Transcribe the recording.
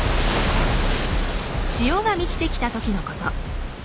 潮が満ちてきた時のこと。